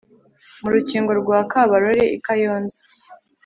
mu rukingo rwa kabarore i kayonza